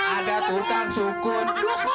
ada tukang sukun